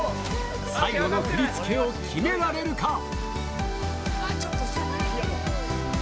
最後の振り付けを決められるか。